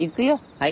はい。